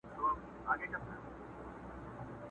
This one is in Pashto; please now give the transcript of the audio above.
پېړۍ په ویښه د کوډګرو غومبر وزنګول!.